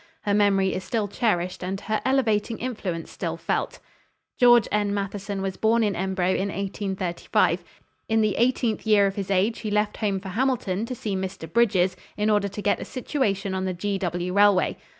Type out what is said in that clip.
Her memory is still cherished and her elevating influence still felt. George N. Matheson was born in Embro in 1835. In the eighteenth year of his age he left home for Hamilton to see Mr. Brydges, in order to get a situation on the G. W. Railway.